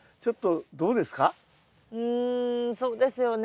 うんそうですよね。